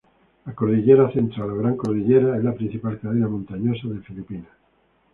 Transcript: La Cordillera Central o Gran Cordillera es la principal cadena montañosa de Filipinas.